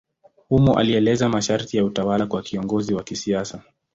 Humo alieleza masharti ya utawala kwa kiongozi wa kisiasa.